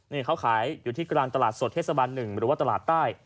นี่เขาขายอยู่ที่กลางตลาดสดเทศบาล๑หรือว่าตลาดใต้